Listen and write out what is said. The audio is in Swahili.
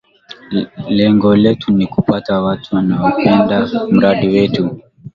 lengo letu ni kupata watu wanaopenda mradi wetu